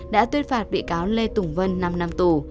đã tuyên phạt bị cáo lê tùng vân năm năm tù